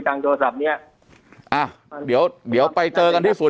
โทรศัพท์เนี้ยอ่าเดี๋ยวเดี๋ยวไปเจอกันที่ศู